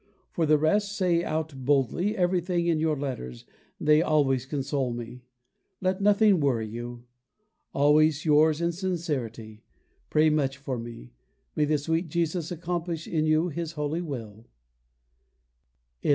For the rest, say out boldly everything in your letters; they always console me. Let nothing worry you. Always yours in sincerity. Pray much for me. May the sweet Jesus accomplish in you His holy will! XXXVI.